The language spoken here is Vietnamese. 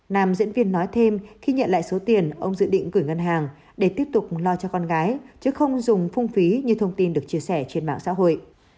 nam diễn viên nói thêm khi nhận lại số tiền ông dự định gửi ngân hàng để tiếp tục lo cho con gái chứ không dùng phung phí như thông tin được chia sẻ trên mạng xã hội